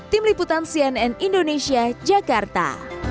tim liputan cnn indonesia jakarta